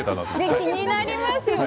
気になりますよね